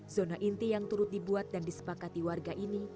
zona inti yang turut dibuat dan disepakati warga ini